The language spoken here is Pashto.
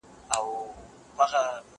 زه به سبا پاکوالي وساتم،